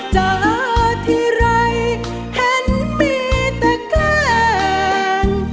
เจอทีไรเห็นมีแต่แกล้ง